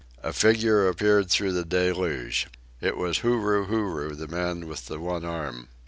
A figure appeared through the deluge. It was Huru Huru, the man with the one arm.